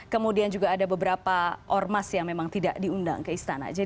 kemudian juga ada beberapa ormas yang memang tidak diundang ke istana